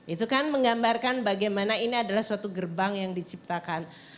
itu kan menggambarkan bagaimana ini adalah suatu gerbang yang diciptakan